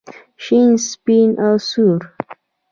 شین سپین او سور.